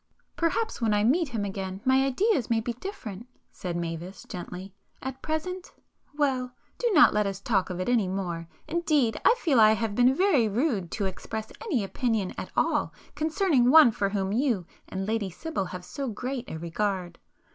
"Perhaps when I meet him again my ideas may be different"—said Mavis gently—"at present, ... well,—do not let us talk of it any more,—indeed I feel I have been very rude to express any opinion at all concerning one for whom you and Lady Sibyl have so great a regard.